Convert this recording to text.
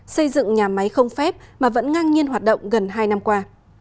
xây dựng nhà máy không phép mà vẫn ngang nhiên hoạt động gần hai năm qua